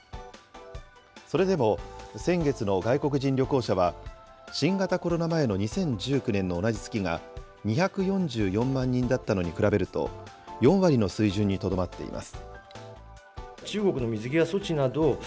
それでも先月の外国人旅行者は、新型コロナ前の２０１９年の同じ月が２４４万人だったのに比べると、４割の水準にとどまっています。